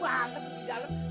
kenapa banget tuh di dalam